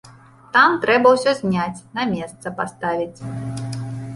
Там трэба ўсё зняць, на месца паставіць.